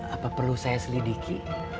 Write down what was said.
apa perlu saya selidiki